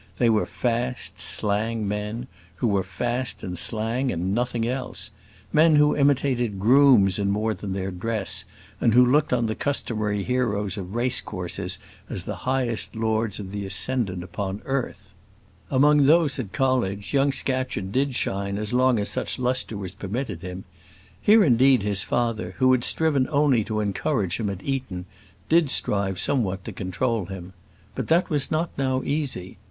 They were fast, slang men, who were fast and slang, and nothing else men who imitated grooms in more than their dress, and who looked on the customary heroes of race courses as the highest lords of the ascendant upon earth. Among those at college young Scatcherd did shine as long as such lustre was permitted him. Here, indeed, his father, who had striven only to encourage him at Eton, did strive somewhat to control him. But that was not now easy.